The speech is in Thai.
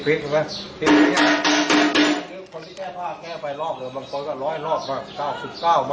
คนที่แก้ผ้าแก้ไปรอบหรือบางคนก็ร้อยรอบหรือหลายสิบเก้ามาห้าสิบเก้าหลายรอบรอบเดียวกันแต่